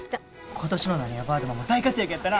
今年のなにわバードマンも大活躍やったな。